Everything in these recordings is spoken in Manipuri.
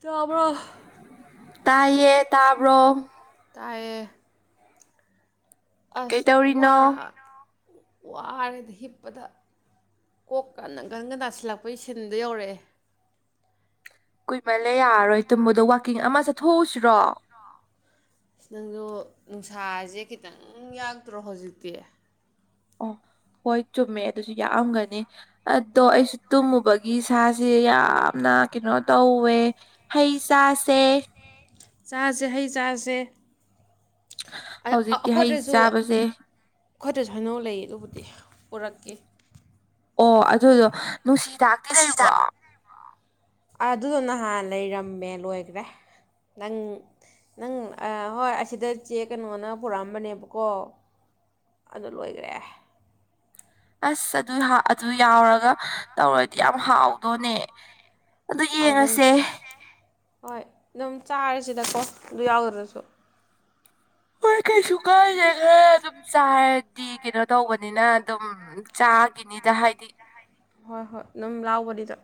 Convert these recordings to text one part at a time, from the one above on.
ꯇꯕꯔꯣ ꯇꯥꯏꯌꯦ ꯇꯥꯕ꯭ꯔꯣ ꯇꯥꯏꯌꯦ ꯑꯁ ꯋꯥ ꯀꯩꯇꯧꯔꯤꯅꯣ ꯋꯥꯔꯦꯗ ꯍꯤꯞꯄꯗ ꯀꯣꯛꯀ ꯅꯪꯒꯟꯒ ꯅꯥꯁꯤꯜꯂꯛꯄꯒꯤ ꯁꯤꯟꯗ ꯌꯧꯔꯛꯑꯦ꯫ ꯀꯨꯏꯃꯜꯂꯦ ꯌꯥꯔꯣꯏ ꯇꯨꯝꯕꯗꯣ ꯋꯥꯛꯀꯤꯡ ꯑꯃ ꯆꯠꯊꯣꯛꯎꯁꯤꯔꯣ ꯅꯪꯁꯨ ꯅꯨꯡꯁꯥꯁꯦ ꯈꯤꯇꯪ ꯌꯥꯛꯇ꯭ꯔꯣ ꯍꯧꯖꯤꯛꯇꯤ ꯑꯣ ꯍꯣꯏ ꯆꯨꯝꯃꯦ ꯑꯗꯨꯁꯨ ꯌꯥꯛꯑꯝꯒꯅꯤ ꯑꯗꯣ ꯑꯩꯁꯨ ꯇꯨꯝꯃꯨꯕꯒꯤ ꯁꯥꯁꯦ ꯌꯥꯝꯅ ꯀꯩꯅꯣ ꯇꯧꯋꯦ ꯍꯩ ꯆꯥꯁꯦ꯫ ꯆꯥꯁꯦ ꯍꯩ ꯆꯥꯁꯦ ꯍꯧꯖꯤꯛꯇꯤ ꯍꯩ ꯑꯩꯈꯣꯏꯗꯁꯨ ꯆꯥꯕꯁꯦ ꯑꯩꯈꯣꯏꯗꯁꯨ ꯍꯥꯏꯅꯧ ꯂꯩ ꯑꯗꯨꯕꯨꯗꯤ ꯄꯨꯔꯛꯀꯦ꯫ ꯑꯣ ꯑꯗꯨꯗꯣ ꯅꯨꯡꯁꯤꯗꯥꯛꯇꯤ ꯂꯩꯕ꯭ꯔꯣ ꯑꯗꯨꯗꯣ ꯅꯍꯥꯟ ꯂꯩꯔꯝꯃꯦ ꯂꯣꯏꯈ꯭ꯔꯦ ꯅꯪ ꯅꯪ ꯍꯣꯏ ꯑꯁꯤꯗ ꯆꯦ ꯀꯩꯅꯣꯅ ꯄꯨꯔꯛꯑꯝꯕꯅꯦꯕꯀꯣ ꯑꯗꯨ ꯂꯣꯏꯈ꯭ꯔꯦ ꯑꯦ ꯑꯁ ꯑꯗꯨ ꯑꯗꯨ ꯌꯥꯎꯔꯒ ꯇꯧꯔꯗꯤ ꯌꯥꯝ ꯍꯥꯎꯗꯣꯅꯦ ꯑꯗꯨ ꯑꯗꯨꯅꯤ ꯌꯦꯡꯉꯁꯦ ꯍꯣꯏ ꯑꯗꯨꯝ ꯆꯥꯔꯤꯁꯤꯗꯀꯣ ꯑꯗꯨ ꯌꯥꯎꯈ꯭ꯔꯁꯨ ꯍꯣꯏ ꯀꯩꯁꯨ ꯀꯥꯏꯗꯦ ꯈꯔ ꯑꯗꯨꯝ ꯆꯥꯔꯗꯤ ꯀꯩꯅꯣ ꯇꯧꯕꯅꯤꯅ ꯑꯗꯨꯝ ꯆꯥꯒꯤꯅꯤꯗ ꯍꯥꯏꯗꯤ ꯍꯣꯏ ꯍꯣꯏ ꯑꯗꯨꯝ ꯂꯥꯎꯕꯅꯤꯗꯣ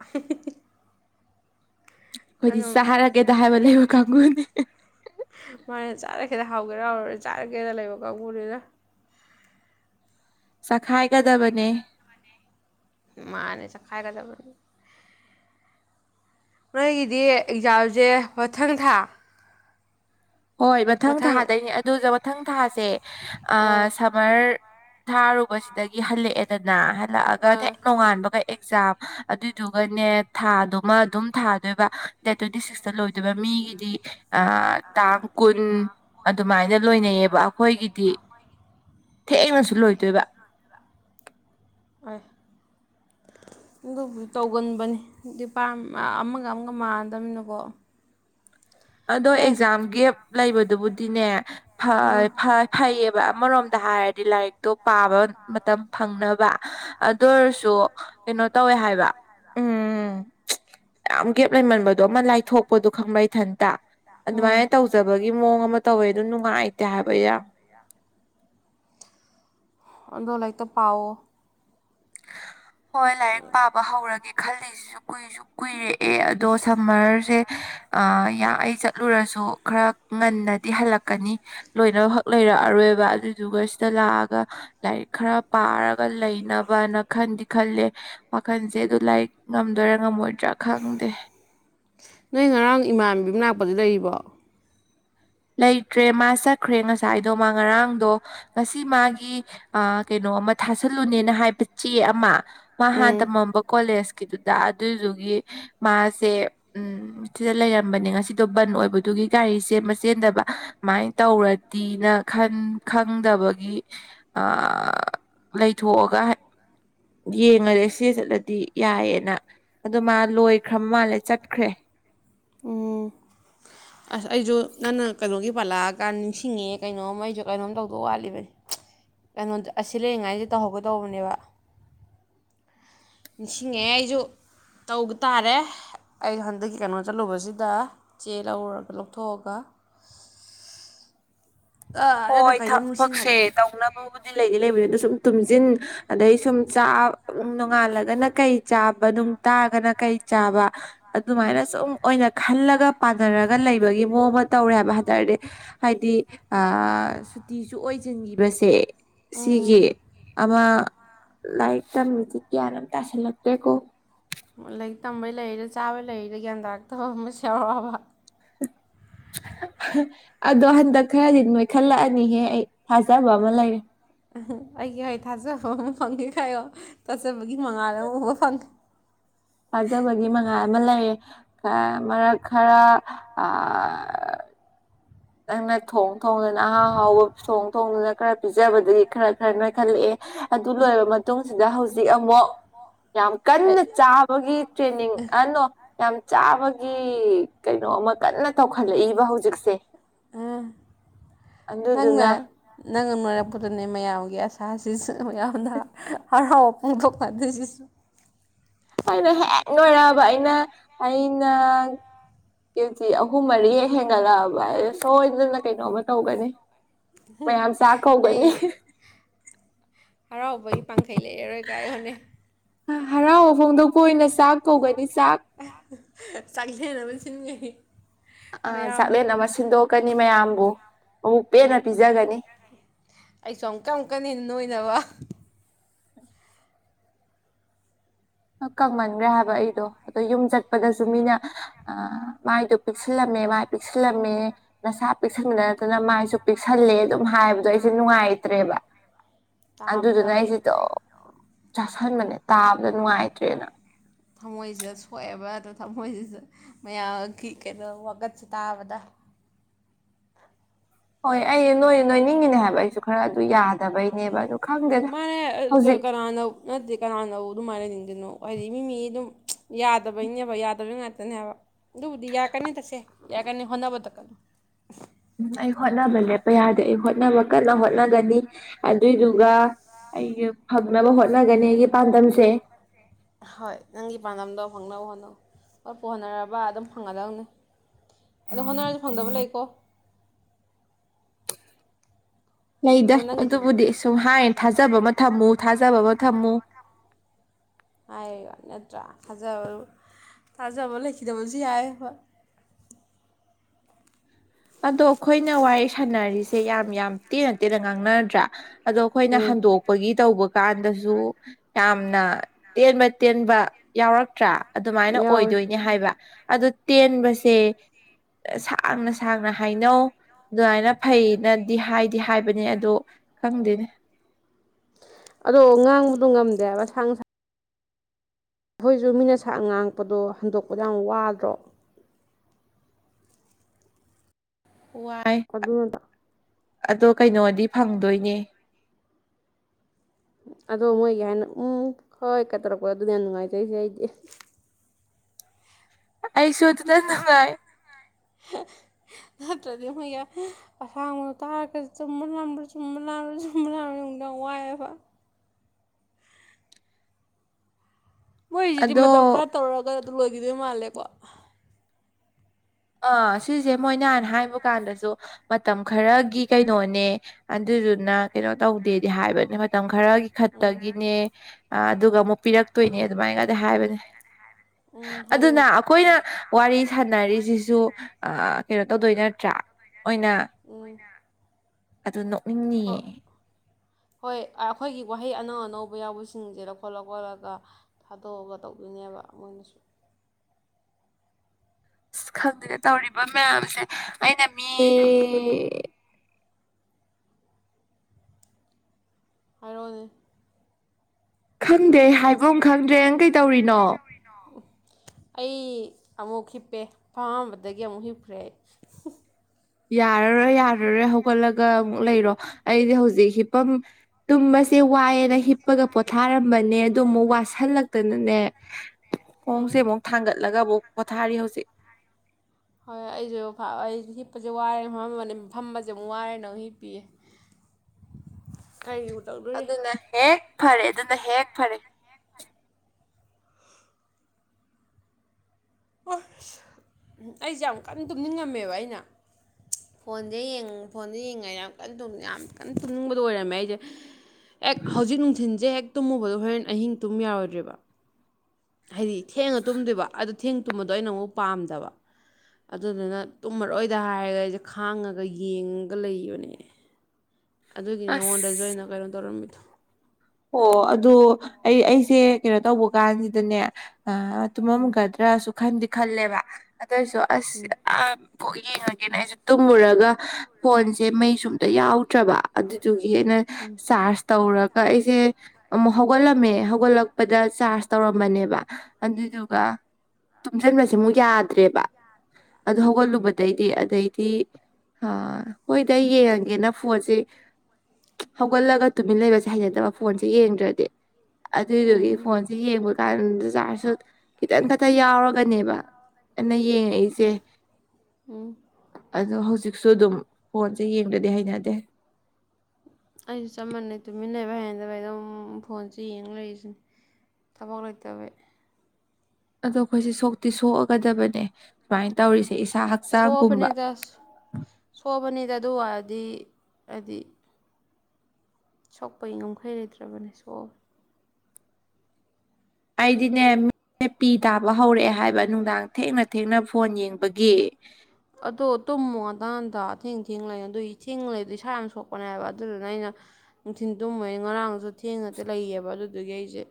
ꯑꯩꯈꯣꯏꯗꯤ ꯆꯥꯔꯒꯦꯗ ꯍꯥꯏꯕ ꯂꯩꯕ ꯀꯥꯡꯕꯨꯨꯅꯦ ꯍꯧꯒꯦꯔꯥ ꯍꯧꯔꯔꯦ ꯆꯥꯔꯒꯦꯅ ꯂꯩꯕ ꯀꯥꯡꯕꯨꯅꯤꯅ ꯁꯈꯥꯏ ꯀꯗꯥꯕꯅꯦ ꯒꯗꯕꯅꯤ ꯅꯣꯏꯒꯤꯗꯤ ꯑꯦꯛꯖꯥꯝꯁꯦ ꯃꯊꯪ ꯊꯥ ꯍꯣꯏ ꯃꯊꯪ ꯊꯥꯗꯩꯅꯦ ꯑꯗꯨꯖ ꯃꯊꯪ ꯊꯥꯁꯦ ꯑ ꯑꯣ ꯁꯝꯔ ꯊꯥꯔꯨꯕꯁꯤꯗꯒꯤ ꯍꯜꯂꯛꯑꯦꯗꯅ ꯂꯥꯛꯑꯒ ꯑꯥ ꯍꯦꯛ ꯅꯣꯡꯉꯥꯟꯕꯈꯩ ꯑꯦꯛꯖꯥꯝ ꯑꯗꯨꯏꯗꯨꯒꯅꯦ ꯊꯥꯗꯨꯃ ꯑꯗꯨꯝ ꯊꯥꯗꯣꯏꯕ ꯗꯦꯠ ꯇ꯭ꯋꯦꯟꯇꯤꯁꯤꯛꯁꯇ ꯂꯣꯏꯗꯨꯏꯕ ꯃꯤꯒꯤꯗꯤ ꯑꯥ ꯇꯥꯡ ꯀꯨꯟ ꯑꯗꯨꯃꯥꯏꯅ ꯂꯣꯏꯅꯩꯌꯦꯕ ꯑꯈꯣꯏꯒꯤꯗꯤ, ꯊꯦꯡꯅꯁꯨ ꯂꯣꯏꯗꯨꯢꯕ꯫ ꯑꯥꯢ, ꯑꯗꯨꯕꯨ ꯇꯧꯒꯟꯕꯅꯤ ꯗꯤꯄꯥꯔꯝ ꯑꯥ ꯑꯃꯒ ꯑꯃꯒ ꯃꯥꯟꯅꯗꯝꯅꯤꯅꯀꯣ꯫ ꯑꯗꯣ ꯑꯦꯛꯖꯥꯝꯒꯤ ꯂꯩꯕꯗꯨꯕꯨꯗꯤꯅꯦ ꯐꯥꯏ ꯑꯥ ꯐꯥꯏ ꯐꯩꯌꯦꯞ ꯑꯃꯔꯣꯝꯗ ꯍꯥꯏꯔꯗꯤ ꯂꯥꯏꯔꯤꯛꯇꯣ ꯄꯥꯕ ꯃꯇꯝ ꯐꯪꯅꯕ ꯑꯗꯨ ꯑꯣꯏꯔꯁꯨ ꯀꯩꯅꯣ ꯇꯧꯋꯦ ꯍꯥꯏꯕ ꯎꯝ ꯌꯥꯝ ꯒꯦꯞ ꯂꯩꯃꯟꯕꯗꯣ ꯑꯃ ꯂꯥꯏꯊꯣꯛꯄꯗꯣ ꯈꯪꯕ ꯏꯊꯟ ꯎꯝ ꯑꯗꯨꯃꯥꯏꯅ ꯇꯧꯖꯕꯒꯤ ꯃꯑꯣꯡ ꯑꯃ ꯇꯧꯋꯦ ꯑꯗꯨꯝ ꯅꯨꯡꯉꯥꯏꯇꯦ ꯍꯥꯏꯕ ꯌꯥ ꯑꯗꯣ ꯂꯥꯏꯔꯤꯛꯇ ꯄꯥꯎꯑꯣ ꯍꯣꯏ ꯂꯥꯏꯔꯤꯛ ꯄꯥꯕ ꯍꯧꯔꯒꯦ ꯈꯜꯂꯤꯁꯤꯁꯨ ꯀꯨꯏ ꯁꯨ ꯀꯨꯏꯔꯦ ꯑꯦ ꯑꯗꯣ ꯁꯝꯃꯔꯁꯦ ꯌꯥ ꯑꯩ ꯆꯠꯂꯨꯔꯁꯨ ꯈꯔ ꯉꯟꯅꯗꯤ ꯍꯜꯂꯛꯀꯅꯤ ꯂꯣꯏꯅꯃꯛꯈꯛ ꯂꯩꯔꯛꯑꯔꯣꯏꯕ ꯑꯗꯨꯗꯨꯒ ꯁꯤꯗ ꯂꯥꯛꯑꯒ ꯂꯥꯏꯔꯤꯛ ꯈꯔ ꯄꯥꯔꯒ ꯂꯩꯅꯕꯅ ꯈꯟꯗꯤ ꯈꯜꯂꯦ ꯋꯥꯈꯟꯁꯦ ꯑꯗꯨ ꯂꯥꯏꯔꯤꯛ ꯉꯝꯗꯣꯏꯔꯥ ꯉꯝꯃꯣꯏ ꯅꯣꯏ ꯉꯔꯥꯡ ꯏꯃꯥꯟꯕꯤꯅꯅꯥ ꯄꯗꯣ ꯂꯩꯔꯤꯕꯣ ꯂꯩꯇ꯭ꯔꯦ ꯃꯥ ꯆꯠꯈ꯭ꯔꯦ ꯉꯁꯥꯏꯗꯣ ꯃꯥ ꯉꯔꯥꯡꯗꯣ ꯉꯁꯤ ꯃꯥꯒꯤ ꯀꯩꯅꯣ ꯑꯃ ꯊꯥꯥꯁꯜꯂꯨꯅꯦꯅ ꯍꯥꯏꯕ ꯆꯦ ꯑꯃ ꯃꯥꯍꯥꯟ ꯎꯝ ꯇꯝ ꯃꯝꯕ ꯀꯣꯂꯦꯁ ꯗꯨꯗ ꯑꯗꯨꯏꯗꯨꯒꯤ ꯃꯥꯁꯦ ꯎꯝ ꯁꯤꯗ ꯂꯩꯔꯝꯕꯅꯦ ꯉꯁꯤꯗꯣ ꯕꯟ ꯑꯣꯏꯕꯗꯨꯒꯤ ꯒꯥꯔꯤꯁꯦ ꯆꯦꯟꯗꯕ ꯑꯗꯨꯃꯥꯏꯅ ꯇꯧꯔꯗꯤꯅ ꯈꯪꯗꯕꯒꯤ ꯂꯩꯊꯣꯛꯑꯒ ꯌꯦꯡꯉꯖꯦ ꯁꯤ ꯆꯠꯂꯗꯤ ꯌꯥꯏꯌꯦꯅ ꯑꯗꯨ ꯃꯥ ꯂꯣꯏꯈ꯭ꯔ ꯃꯥꯜꯂꯦ ꯆꯠꯈ꯭ꯔꯦ ꯎꯝ ꯑꯁ ꯑꯩꯁꯨ ꯅꯪꯅ ꯀꯩꯅꯣꯒꯤ ꯄꯥꯜꯂꯛꯑꯀꯥꯟꯗ ꯅꯤꯡꯁꯤꯡꯉꯦ ꯀꯩꯅꯣꯝ ꯑꯩꯁꯨ ꯀꯩꯅꯣꯝ ꯇꯧꯗꯧ ꯋꯥꯠꯂꯤꯕꯅꯤ ꯀꯩꯅꯣꯗ ꯑꯁꯤ ꯂꯩꯔꯤꯉꯥꯏꯁꯦ ꯇꯧꯍꯧꯒꯗꯧꯕꯅꯦꯕ ꯅꯤꯡꯁꯤꯡꯉꯛꯑꯦ ꯑꯩꯁꯨ ꯇꯧꯕ ꯇꯥꯔꯦ ꯑꯩ ꯍꯟꯗꯛꯀꯤ ꯀꯩꯅꯣ ꯆꯠꯂꯨꯕꯁꯤꯗ ꯆꯦ ꯂꯧꯔꯒ ꯂꯧꯊꯣꯛꯑꯒ ꯇꯠ ꯍꯥꯏꯅ ꯍꯣꯏ ꯀꯩꯅꯣꯝ ꯊꯕꯛꯁꯦ ꯅꯤꯡꯁꯤꯡꯍꯜꯂꯦ ꯇꯧꯅꯕꯕꯨꯗꯤ ꯂꯩꯗꯤ ꯂꯩꯕꯗꯨꯗ ꯁꯨꯝ ꯇꯨꯝꯁꯤꯟ ꯑꯗꯩ ꯁꯨꯝ ꯆꯥ ꯅꯣꯡꯉꯥꯜꯂꯒꯅ ꯀꯩ ꯆꯥꯕ ꯅꯨꯡ ꯗꯥꯡꯒꯅ ꯀꯩ ꯆꯥꯕ ꯑꯗꯨꯃꯥꯏꯅ ꯁꯨꯝ ꯑꯣꯏꯅ ꯈꯜꯂꯒ ꯄꯥꯟꯅꯔꯒ ꯂꯩꯕꯒꯤ ꯃꯑꯣꯡ ꯑꯃ ꯇꯧꯔꯦꯕ ꯍꯥꯏ ꯇꯔꯗꯤ ꯍꯥꯏꯗꯤ ꯁꯨꯇꯤꯁꯨ ꯑꯣꯏꯁꯤꯟꯈꯤꯕꯁꯦ ꯎꯝ ꯁꯤꯒꯤ ꯑꯃ ꯂꯥꯏꯔꯤꯛ ꯇꯝꯃꯤꯗꯤ ꯒ꯭ꯌꯥꯟ ꯑꯃ ꯇꯥꯥꯁꯜꯂꯛꯇꯦꯀꯣ ꯂꯥꯏꯔꯤꯛ ꯇꯝꯕꯩ ꯂꯩꯔꯤꯔ ꯆꯥꯕꯩ ꯂꯩꯔꯤꯔ ꯒ꯭ꯌꯥꯟ ꯇꯥꯔꯛꯇꯕ ꯑꯃꯁꯨ ꯌꯥꯏ ꯔꯛꯑꯕꯥ ꯑꯗꯣ ꯍꯟꯗꯛ ꯈꯔꯗꯤ ꯅꯣꯏ ꯈꯠꯂꯛꯑꯅꯤꯍꯦ ꯑꯩ ꯊꯥꯖꯕ ꯑꯃ ꯂꯩꯔꯦ ꯑꯩꯒꯤ ꯍꯩ ꯊꯥꯖꯕ ꯑꯃ ꯐꯪꯉꯦ ꯍꯥꯏꯌꯣ ꯊꯥꯖꯕꯒꯤ ꯃꯉꯥꯜ ꯑꯃ ꯎꯕ ꯐꯪꯉꯦ ꯊꯥꯖꯕꯒꯤ ꯃꯉꯥꯜ ꯑꯃ ꯂꯩꯌꯦ ꯃꯔꯛ ꯈꯔ ꯑꯥ ꯅꯪꯅ ꯊꯣꯡ ꯊꯣꯡꯗꯅ ꯑꯍꯥ ꯑꯍꯥꯎꯕ ꯊꯣꯡ ꯊꯣꯡꯗꯅ ꯈꯔ ꯄꯤꯖꯕꯗꯒꯤ ꯈꯔ ꯈꯔ ꯅꯣꯏꯈꯜꯂꯛꯑꯦ ꯑꯗꯨ ꯂꯣꯏꯔꯕ ꯃꯇꯨꯡꯁꯤꯗ ꯍꯧꯖꯤꯛ ꯑꯃꯨꯛ ꯌꯥꯝ ꯑꯩ ꯀꯟꯅ ꯆꯥꯕꯒꯤ ꯇ꯭ꯔꯦꯅꯤꯡ ꯑꯅꯣ ꯌꯥꯝ ꯆꯥꯕꯒꯤ ꯀꯩꯅꯣꯃ ꯀꯟꯅ ꯇꯧꯈꯠꯂꯛꯏꯕ ꯍꯧꯖꯤꯛꯁꯦ ꯑꯗꯨꯗꯨꯅ ꯅꯪ ꯅꯣꯏꯔꯛꯄꯗꯨꯅꯦ ꯃꯌꯥꯝꯒꯤ ꯑꯁꯥꯁꯤ ꯃꯌꯥ ꯍꯨꯗꯥ ꯍꯔ ꯍꯥꯎ ꯑꯣꯒꯄꯗꯨꯁ ꯑꯩꯅ ꯍꯦꯛ ꯅꯣꯏꯔꯛꯑꯕ ꯑꯩꯅ ꯑꯩꯅ ꯀꯦꯖꯤ ꯑꯍꯨꯝ ꯃꯔꯤ ꯍꯦꯛ ꯍꯦꯟꯒꯠꯂꯛꯑꯕ ꯁꯣꯏꯗꯅ ꯀꯩꯅꯣꯃ ꯇꯧꯒꯅꯤ ꯃꯌꯥꯝ ꯆꯥꯛ ꯑꯩ ꯀꯧꯒꯅꯤ ꯍꯔꯥꯎꯕꯒꯤ ꯄꯥꯡꯈꯩ ꯂꯩꯔꯔꯣꯏ ꯀꯥꯏꯌꯣꯅꯦ ꯍꯔꯥꯎꯕ ꯐꯣꯡꯗꯣꯛꯄ ꯑꯣꯏꯅ ꯆꯥꯛ ꯀꯧꯒꯅꯤ ꯆꯥꯛ ꯆꯥꯛ ꯂꯦꯟ ꯑꯃ ꯁꯤꯟꯒꯅꯤ ꯃꯌꯥꯝ ꯆꯥꯛꯂꯦꯟ ꯑꯃ ꯁꯤꯟꯗꯣꯛꯀꯅꯤ ꯃꯌꯥꯝꯕꯨ ꯃꯕꯨꯛ ꯄꯦꯟꯅ ꯎꯝ ꯄꯤꯖꯒꯅꯤ ꯑꯩꯁꯨ ꯑꯃꯨꯛꯀ ꯑꯃꯨꯛꯀ ꯍꯦꯟꯅ ꯅꯣꯏꯅꯕ ꯀꯪꯃꯟꯈ꯭ꯔꯦ ꯍꯥꯏꯕ ꯑꯩꯗꯣ ꯑꯗꯣ ꯌꯨꯝ ꯆꯠꯄꯗꯁꯨ ꯃꯤꯅ ꯃꯥꯏꯗꯣ ꯄꯤꯛꯁꯤꯜꯂꯝꯃꯦ ꯃꯥꯏ ꯄꯤꯛꯁꯤꯜꯂꯝꯃꯦ ꯅꯁꯥ ꯄꯤꯛꯁꯟꯕ ꯅꯠꯇꯅ ꯃꯥꯏꯁꯨ ꯄꯤꯛꯁꯜꯂꯦ ꯑꯗꯨꯝ ꯍꯥꯏꯕꯗꯣ ꯑꯩꯁꯦ ꯅꯨꯡꯉꯥꯏꯇ꯭ꯔꯦꯕ ꯇꯥꯕꯗ ꯑꯗꯨꯗꯨꯅ ꯑꯩꯁꯤ ꯑꯗꯨꯝ ꯈꯟꯕꯅꯦ ꯇꯥꯕꯗ ꯅꯨꯡꯉꯥꯏ ꯇꯔꯦꯅ ꯊꯃꯣꯏꯁꯤꯗ ꯁꯣꯛꯑꯦꯕ ꯑꯗꯣ ꯊꯝꯃꯣꯏꯁꯤꯗ ꯃꯌꯥꯝꯒꯤ ꯀꯩꯅꯣ ꯋꯥꯀꯠꯁꯦ ꯇꯥꯕꯗ ꯍꯣꯏ ꯑꯩ ꯅꯣꯏ ꯅꯣꯏꯅꯤꯡꯉꯤꯅꯦ ꯍꯥꯏꯕ ꯑꯩꯁꯨ ꯈꯔ ꯑꯗꯨ ꯌꯥꯗꯕꯩꯅꯦꯕ ꯑꯗꯨ ꯈꯪꯗꯦꯗ ꯃꯥꯅꯦ ꯍꯧꯖꯤꯛ ꯀꯅꯥꯅ ꯅꯠꯇꯦ ꯀꯅꯥꯅ ꯑꯗꯨꯃꯥꯏꯅ ꯗꯨꯅꯣ ꯍꯥꯏꯗꯤ ꯃꯤ ꯃꯤ ꯑꯗꯨꯝ ꯌꯥꯗꯕꯩꯅꯦꯕ ꯌꯥꯗꯕꯩ ꯉꯥꯇꯅꯦꯕ ꯑꯗꯨꯕꯨꯗꯤ ꯌꯥꯔꯛꯀꯅꯤꯗ ꯁꯦ ꯌꯥꯔꯛꯀꯅꯤ ꯍꯣꯠꯅꯕꯗ ꯎꯝ ꯑꯩ ꯍꯣꯠꯅꯕ ꯂꯦꯞꯄ ꯌꯥꯗ ꯑꯩ ꯍꯣꯠꯅꯕ ꯀꯜꯂ ꯍꯣꯠꯂꯒꯅꯤ ꯑꯗꯨꯏꯗꯨꯒ ꯑꯩꯒꯤ ꯐꯪꯅꯕ ꯍꯣꯠꯅꯒꯅꯤ ꯑꯩꯒꯤ ꯄꯥꯟꯗꯝꯁꯦ ꯍꯣꯏ ꯅꯪꯒꯤ ꯄꯥꯟꯗꯝꯗꯣ ꯐꯪꯅ ꯍꯣꯠꯅꯧ ꯍꯣꯠꯄꯨ ꯍꯣꯅꯔꯕ ꯑꯗꯨꯝ ꯐꯪꯉꯗꯧꯅꯤ ꯑꯗꯣ ꯍꯣꯠꯅꯔꯖꯨ ꯐꯪꯗꯕ ꯂꯩꯀꯣ ꯂꯩꯗ ꯑꯗꯣ ꯅꯪꯒꯤꯗꯤ ꯑꯗꯨꯕꯨꯗꯤ ꯁꯨꯝ ꯍꯥꯏ ꯊꯥꯖꯕ ꯑꯃ ꯊꯝꯃꯨ ꯊꯥꯖꯕ ꯑꯃ ꯊꯝꯃꯨ ꯍꯥꯏꯔꯤꯕ ꯅꯠꯇ꯭ꯔꯥ ꯊꯥꯖꯕ ꯊꯥꯖꯕ ꯂꯩꯈꯤꯗꯕꯖꯨ ꯌꯥꯥꯏ ꯍꯣꯏ ꯑꯗꯣ ꯑꯈꯣꯏꯅ ꯋꯥꯔꯤ ꯁꯥꯟꯅꯔꯤꯁꯦ ꯌꯥꯝ ꯌꯥꯝ ꯇꯦꯟꯅ ꯇꯦꯟꯅ ꯉꯥꯡꯅꯗ꯭ꯔꯥ ꯑꯗꯣ ꯑꯈꯣꯏꯅ ꯎꯝ ꯍꯟꯗꯣꯛꯄꯒꯤ ꯇꯧꯕ ꯀꯥꯟꯗꯖꯨ ꯌꯥꯝꯅ ꯇꯦꯟꯕ ꯇꯦꯟꯕ ꯌꯥꯎꯔꯛꯇ꯭ꯔꯥ ꯑꯗꯨꯃꯥꯏꯅ ꯌꯥꯎꯋꯤ ꯑꯣꯏꯗꯣꯏꯅꯦ ꯍꯥꯏꯕ ꯑꯗꯨ ꯇꯦꯟꯕꯁꯦ ꯁꯥꯡꯅ ꯁꯥꯡꯅ ꯍꯥꯏꯅꯧ ꯑꯗꯨꯃꯥꯏꯅ ꯐꯩꯅꯗꯤ ꯍꯥꯏꯗꯤ ꯍꯥꯏꯕꯅꯦ ꯑꯗꯣ ꯈꯪꯗꯦꯅꯦ ꯑꯗꯣ ꯉꯥꯡꯕꯗꯣ ꯉꯝꯗꯦꯕ ꯍꯥꯏꯕ ꯁꯥꯡꯁꯥꯡ ꯑꯈꯣꯏꯖꯨ ꯃꯤꯅ ꯁꯥ ꯉꯥꯡꯉꯛꯄꯗꯣ ꯍꯟꯗꯣꯛꯄꯗ ꯌꯥꯝ ꯋꯥꯗ꯭ꯔꯣ ꯋꯥꯏ [unintelligible] ꯑꯗꯣ ꯀꯩꯅꯣꯗꯤ ꯐꯪꯗꯣꯏꯅꯦ ꯑꯗꯣ ꯃꯣꯏꯒꯤ ꯍꯥꯏꯅ ꯎꯝ ꯍꯣꯏ ꯀꯇꯔꯛꯄꯗꯣ ꯑꯗꯨꯅꯦ ꯅꯨꯡꯉꯥꯏꯖꯩꯁꯦ ꯑꯩꯗꯤ ꯑꯩꯁꯨ ꯗꯨꯅ ꯅꯨꯡꯉꯥꯏ ꯅꯠꯇ꯭ꯔꯗꯤ ꯃꯣꯏꯒꯤ ꯑꯁꯥꯡꯕ ꯇꯥꯔꯒꯗꯤ ꯆꯨꯝꯕ ꯂꯥꯟꯕ꯭ꯔꯥ ꯆꯨꯝꯕ ꯂꯥꯟꯕ꯭ꯔꯥ ꯆꯨꯝꯕ ꯂꯥꯟꯕ꯭ꯔꯥ [unintelligible] ꯋꯥꯏꯕ ꯃꯣꯏꯖꯤꯗꯤ ꯑꯗꯣ ꯃꯇꯝ ꯈꯔ ꯇꯧꯔꯒ ꯑꯗꯨ ꯂꯣꯏꯒꯤꯗꯣꯏ ꯃꯥꯜꯂꯦ [unintelligible] ꯑꯥ ꯁꯤꯖꯦ ꯃꯣꯏ ꯅꯍꯥꯟ ꯍꯥꯏꯕ ꯀꯥꯟꯗꯖꯨ ꯃꯇꯝ ꯈꯔꯒꯤ ꯀꯩꯅꯣꯅꯦ ꯑꯗꯨꯗꯨꯅ ꯀꯩꯅꯣ ꯇꯧꯗꯦꯗꯤ ꯍꯥꯏꯕꯅꯦ ꯃꯇꯝ ꯈꯔꯒꯤ ꯈꯠꯇꯒꯤꯅꯦ ꯑ ꯑꯗꯨꯒ ꯑꯃꯨꯛ ꯄꯤꯔꯛꯇꯣꯏꯅꯦ ꯑꯗꯨꯃꯥꯏꯒꯗꯤ ꯍꯥꯏꯕꯅꯦ ꯎꯝ ꯍꯥꯏꯗꯤ ꯑꯗꯨꯅ ꯑꯩꯈꯣꯏꯅ ꯋꯥꯔꯤ ꯁꯥꯟꯅꯔꯤꯁꯤ ꯑꯥ ꯀꯩꯅꯣ ꯇꯧꯗꯣꯏ ꯅꯠꯇ꯭ꯔꯥ ꯎꯝ ꯑꯗꯨꯅꯣ ꯏꯪꯅꯤꯌꯦ ꯍꯣ ꯍꯣꯏ ꯑꯈꯣꯏꯒꯤ ꯋꯥꯍꯩ ꯑꯅꯧ ꯑꯅꯧꯕ ꯌꯥꯎꯕꯁꯤꯡꯖꯦ ꯂꯧꯈꯠ ꯂꯧꯈꯠꯂꯒ ꯊꯥꯗꯣꯛꯑꯒ ꯇꯧꯗꯣꯏꯅꯦꯕ ꯃꯣꯏꯅꯁꯨ ꯑꯁ ꯈꯪꯗꯦꯅ ꯇꯧꯔꯤꯕ ꯃꯌꯥꯝꯁꯦ ꯑꯩꯅ ꯃꯤ ꯍꯥꯏꯔꯣꯅꯦ ꯈꯪꯗꯦ ꯑꯩ ꯍꯥꯏꯕꯝ ꯈꯪꯗ꯭ꯔꯦ ꯅꯪ ꯀꯩꯗꯧꯔꯤꯅꯣ ꯑꯩ ꯑꯃꯨꯛ ꯍꯤꯞꯄꯦ ꯐꯥꯝꯃꯝꯕꯗꯒꯤ ꯑꯃꯨꯛ ꯍꯤꯞꯈ꯭ꯔꯦ ꯑꯩ ꯌꯥꯔꯔꯣꯏ ꯌꯥꯔꯔꯣꯏ ꯍꯧꯒꯂꯛ ꯒ ꯑꯃꯨꯛ ꯂꯩꯔꯣ ꯑꯩꯗꯤ ꯍꯧꯖꯤꯛ ꯍꯤꯞꯄꯝ ꯇꯨꯝꯃꯁꯦ ꯋꯥꯏꯑꯅ ꯍꯤꯞꯄꯒ ꯄꯣꯊꯥꯔꯝꯕꯅꯦ ꯑꯗꯨ ꯑꯃꯨꯛ ꯋꯥꯁꯤꯜꯂꯛꯇꯅꯅꯦ ꯑꯥ ꯍꯣꯡꯁꯦ ꯑꯃꯨꯛ ꯊꯥꯡꯒꯠ ꯂꯒ ꯃꯨꯛ ꯄꯣꯊꯥꯔꯤ ꯍꯧꯖꯤꯛ ꯍꯣꯏ ꯑꯩꯁꯨ ꯑꯩꯁꯨ ꯍꯤꯞꯄꯁꯦ ꯋꯥꯔꯦ ꯐꯝꯃꯝꯕꯅꯤ ꯐꯝꯕꯁꯦ ꯑꯃꯨꯛ ꯋꯥꯔꯦꯅ ꯑꯃꯨꯛ ꯍꯤꯞꯄꯤꯌꯦ ꯀꯔꯤꯕꯨ ꯇꯧꯗꯣꯔꯤ ꯑꯗꯨꯅ ꯍꯦꯛ ꯐꯔꯦ ꯑꯗꯨꯅ ꯍꯦꯛ ꯐꯔꯦ ꯑꯩꯁꯦ ꯌꯥꯝ ꯀꯟꯅ ꯇꯨꯝꯅꯤꯡꯉꯝꯃꯦꯕ ꯑꯩꯅ ꯐꯣꯟꯁꯦ ꯐꯣꯟꯁꯦ ꯌꯦꯡꯉꯩꯗ ꯌꯥꯝ ꯀꯟꯅ ꯌꯥꯝ ꯀꯟꯅ ꯇꯨꯝꯅꯤꯡꯕꯗꯣ ꯑꯣꯏꯔꯝꯃꯦ ꯑꯩꯁꯦ ꯍꯦꯛ ꯍꯧꯖꯤꯛ ꯅꯨꯡꯊꯤꯟꯁꯦ ꯍꯦꯛ ꯇꯨꯝꯃꯨꯕꯗꯣ ꯍꯣꯔꯦꯟ ꯑꯍꯤꯡ ꯇꯨꯝ ꯌꯥꯔꯣꯏꯗ꯭ꯔꯦꯕ ꯍꯥꯏꯗꯤ ꯊꯦꯡꯉ ꯇꯨꯝꯗꯣꯏꯕ ꯑꯗꯨ ꯊꯦꯡ ꯇꯨꯝꯕꯗꯣ ꯑꯩꯅ ꯑꯃꯨꯛ ꯄꯥꯝꯗꯕ ꯑꯗꯨꯗꯨꯅ ꯇꯨꯝꯃꯔꯣꯏꯗ ꯍꯥꯏꯔꯒ ꯑꯩꯁꯦ ꯈꯥꯡꯉꯒ ꯌꯦꯡꯉꯒ ꯂꯩꯕꯅꯦ ꯑꯗꯨꯒꯤꯗꯤꯅꯤ ꯅꯉꯣꯟꯗꯁꯨ ꯑꯁ ꯑꯩꯅ ꯀꯩꯅꯣ ꯇꯧꯔꯝꯃꯤꯗꯣ ꯑꯣ ꯑꯗꯨꯣ ꯑꯩ ꯑꯩꯁꯦ ꯀꯩꯅꯣ ꯇꯧꯕ ꯀꯥꯟꯁꯤꯗꯅꯦ ꯑ ꯇꯃꯒꯗ꯭ꯔꯥꯁꯨ ꯈꯟꯗꯤ ꯈꯜꯂꯦꯕ ꯇꯁꯨ ꯑꯁ ꯑ ꯀꯣꯛ ꯌꯦꯡꯉꯒꯦꯅ ꯑꯩꯁꯨ ꯇꯨꯝꯃꯨꯔꯒ ꯐꯣꯟꯁꯦ ꯃꯩ ꯁꯨꯝꯇ ꯌꯥꯎꯗ꯭ꯔꯕ ꯑꯗꯨ ꯑꯗꯨꯒꯤ ꯑꯩꯅ ꯆꯥꯔꯖ ꯇꯧꯔꯒ ꯀ ꯁꯦ ꯑꯃꯨꯛ ꯍꯧꯒꯠꯂꯝꯃꯦ ꯍꯧꯒꯠꯂꯛꯄꯗ ꯆꯥꯔꯖ ꯇꯧꯔꯝꯕꯅꯦꯕ ꯑꯗꯨꯗꯨꯒ ꯇꯨꯝꯁꯤꯟꯕꯁꯦ ꯑꯃꯨꯛ ꯌꯥꯗ꯭ꯔꯦꯕ ꯑꯗꯨꯗ ꯎꯝ ꯍꯒꯜꯨꯕꯠꯇꯥꯏꯗꯤ ꯑꯗꯩꯗꯤ ꯑ ꯍꯣꯏꯗ ꯌꯦꯡꯉꯒꯦꯅ ꯐꯣꯟꯁꯦ ꯍꯧꯒꯠꯂꯒ ꯇꯨꯃꯤꯟ ꯂꯩꯕꯁꯦ ꯍꯩꯅꯗꯕ ꯐꯣꯟꯁꯦ ꯌꯦꯡꯗ꯭ꯔꯗꯤ ꯑꯗꯨꯏꯗꯨꯒꯤ ꯎꯝ ꯐꯣꯟꯁꯤꯦ ꯌꯦꯡꯕ ꯀ ꯖꯥꯔꯁꯨ ꯈꯤꯇꯪ ꯐꯇ ꯌꯥꯎꯔꯒꯅꯦꯕ ꯑꯩ ꯌꯦꯡꯉꯛꯏꯁꯦ ꯎꯝ ꯑꯗꯣ ꯍꯧꯖꯤꯛ ꯨ ꯑꯗꯨꯝ ꯐꯣꯟꯁꯦ ꯌꯦꯡꯗꯗꯤ ꯍꯩꯅꯗꯦ ꯑꯩꯁꯨ ꯆꯞ ꯃꯥꯟꯅꯩ ꯇꯨꯃꯤꯟꯅꯩꯕ ꯍꯥꯏꯗꯕ ꯑꯩ ꯑꯗꯨꯝ ꯐꯣꯟꯁꯦ ꯌꯦꯡꯉ ꯂꯩꯔꯤꯁꯤꯅꯦ ꯊꯕꯛ ꯂꯩꯇꯕꯩ ꯑꯗꯣ ꯑꯩꯈꯣꯏꯁꯦ ꯁꯣꯛꯇꯤ ꯁꯣꯛꯑꯒꯗꯕꯅꯦ ꯁꯨꯃꯥꯏꯅ ꯇꯧꯔꯤꯁꯦ ꯏꯁꯥ ꯍꯛꯆꯥꯡ ꯄꯨꯝꯕ ꯁꯣꯄꯅꯤꯗ ꯁꯣꯄꯅꯤ ꯇ ꯑꯗꯨ ꯑ ꯑ ꯍꯥꯏꯗꯤ ꯁꯣꯛꯄꯒꯤ ꯉꯝꯈꯩ ꯂꯩꯇ꯭ꯔꯕꯅꯦ ꯁꯣꯛꯎ ꯑꯩꯗꯤꯅꯦ ꯃꯤꯦ ꯄꯤ ꯇꯥꯕ ꯍꯧꯔꯛꯑꯦ ꯍꯥꯏꯕ ꯅꯨꯡꯗꯥꯡ ꯊꯦꯡꯅ ꯊꯦꯡꯅ ꯐꯣꯟ ꯌꯦꯡꯕꯒꯤ ꯑꯗꯣ ꯇꯨꯝꯃꯨ ꯉꯇ ꯉꯗ ꯑꯊꯦꯡ ꯊꯦꯡ ꯂꯩ ꯑꯗꯨꯏ ꯊꯦꯡꯡꯂ ꯂꯩꯗꯣ ꯏꯁꯥ ꯌꯥꯝ ꯁꯣꯛꯄꯅꯦꯕ ꯑꯗꯨꯗꯨꯅ ꯑꯩꯅ ꯅꯨꯡꯊꯤꯜ ꯇꯨꯝꯃꯣꯏꯅꯤ ꯉꯔꯥꯡꯁꯨ ꯊꯦꯡꯅꯇ ꯂꯩꯌꯦꯕ ꯑꯗꯨ ꯑꯗꯨꯒꯤ ꯑꯩꯁꯦ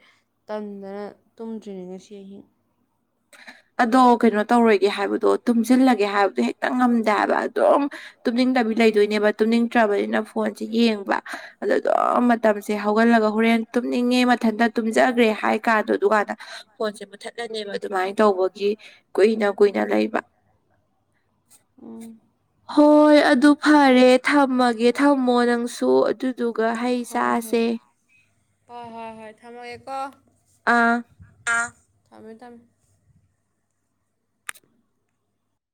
ꯇꯟꯗꯅ ꯇꯨꯝꯗ꯭ꯔꯤꯅꯤ ꯉꯁꯤ ꯑꯍꯤꯡ ꯑꯗꯣ ꯀꯩꯅꯣ ꯇꯧꯔꯣꯏꯒꯦ ꯍꯥꯏꯕꯗꯣ ꯇꯨꯝꯁꯤꯜꯂꯒꯦ ꯍꯥꯏꯕꯗꯣ ꯍꯦꯛꯇ ꯉꯝꯗꯦꯕ ꯑꯗꯨꯝ ꯇꯨꯝꯅꯤꯡꯗꯕꯤ ꯂꯩꯗꯣꯏꯅꯦꯕ ꯇꯨꯝꯅꯤꯡꯗ꯭ꯔꯕꯅꯤꯅ ꯐꯣꯟꯁꯦ ꯌꯦꯡꯕ ꯑꯗꯣ ꯑꯗꯨꯝ ꯃꯇꯝꯁꯦ ꯍꯧꯒꯠꯂꯒ ꯍꯣꯔꯦꯟ ꯇꯨꯝꯅꯤꯡꯉꯦ ꯃꯊꯟꯇ ꯇꯨꯝꯖꯈ꯭ꯔꯦ ꯍꯥꯏ ꯀꯥꯟꯗꯣ ꯑꯗꯨꯀꯥꯟꯗ ꯐꯣꯟꯁꯦ ꯃꯨꯊꯠꯂꯅꯦꯕ ꯑꯗꯨꯃꯥꯏꯅ ꯇꯧꯕꯒꯤ ꯀꯨꯏꯅ ꯀꯨꯏꯅ ꯂꯩꯕ ꯎꯝ ꯍꯣꯏ ꯑꯗꯨ ꯐꯔꯦ ꯊꯝꯃꯒꯦ ꯊꯝꯃꯣ ꯅꯪꯁꯨ ꯑꯗꯨ ꯑꯗꯨꯒ ꯍꯩ ꯍꯣꯏ ꯍꯣꯏ ꯆꯥꯁꯦ ꯍꯣꯏ ꯍꯣꯏ ꯍꯣꯏ ꯊꯝꯃꯣꯒꯦ ꯀꯣ ꯑꯥ ꯊꯝꯃꯦ ꯊꯝꯃꯦ